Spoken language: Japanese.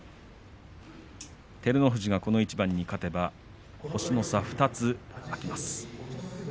照ノ富士がこの一番に勝てば星の差は２つ開きます。